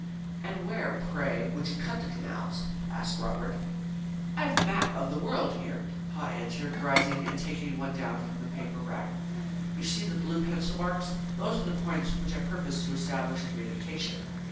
"And where, pray, would you cut the canals?" asked Robert. "I have a map of the world here," Haw answered, rising, and taking one down from the paper rack. "You see the blue pencil marks. Those are the points where I propose to establish communication.